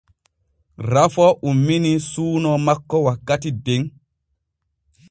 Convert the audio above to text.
Rafoo ummini suuno makko wakkati den.